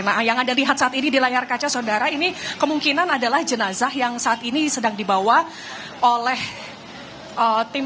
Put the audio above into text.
nah yang anda lihat saat ini di layar kaca saudara ini kemungkinan adalah jenazah yang saat ini sedang dibawa oleh tim